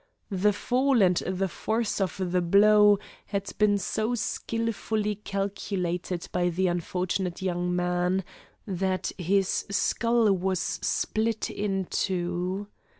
The fall and the force of the blow had been so skilfully calculated by the unfortunate young man that his skull was split in two.